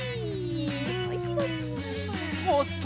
おおっと！